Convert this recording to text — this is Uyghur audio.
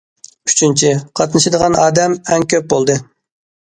ئۈچىنچى، قاتنىشىدىغان ئادەم ئەڭ كۆپ بولدى.